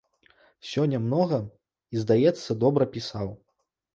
Сёння многа і, здаецца, добра пісаў.